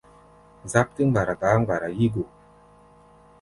Záp tɛ́ mgbara kpaá mgbara yí go.